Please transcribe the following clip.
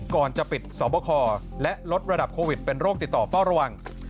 ก่อนจะปิดสวบคและลดระดับโควิดเป็นโรคติดต่อเฝ้าระวัง